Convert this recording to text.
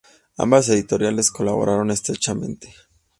Ambas editoriales colaboran estrechamente.